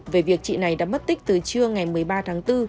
về việc chị này đã mất tích từ trưa ngày một mươi ba tháng bốn